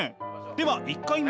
では１回目！